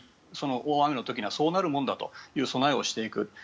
大雨の時にはそうなるものだと想定して備えをしていく。